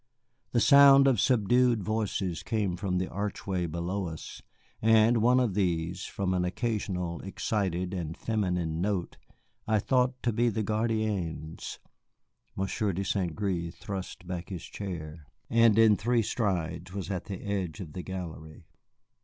The sound of subdued voices came from the archway below us, and one of these, from an occasional excited and feminine note, I thought to be the gardienne's. Monsieur de St. Gré thrust back his chair, and in three strides was at the edge of the gallery.